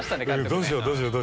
どうしよう？